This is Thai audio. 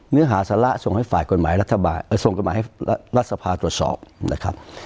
เนื้อหาสาระส่งให้ฝ่ายกฎหมายรัฐบาลส่งกฎหมายให้รัฐสภาตรวจสอบนะครับ